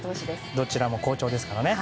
どちらも好調ですからね。